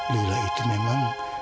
lila itu memang